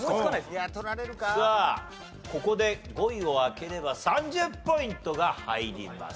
さあここで５位を開ければ３０ポイントが入ります。